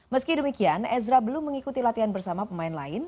meski demikian ezra belum mengikuti latihan bersama pemain lain